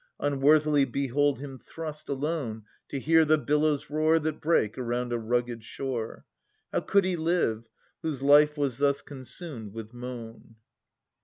Unworthily behold him thrust Alone to hear the billows roar That break around a rugged shore! How could he live, whose life was thus consumed with moan